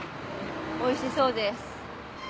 おいしそうです。